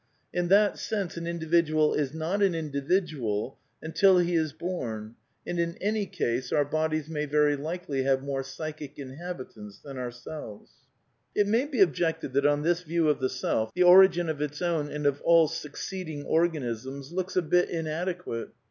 30 A DEFENCE OF IDEALISM In that sense an individual is not an individual until he is born, and in any case our bodies may very likely have more psychic inhabitants than ourselves. It may be objected that on this view of the self the origin of its own and of all succeeding organisms looks a bit inadequate.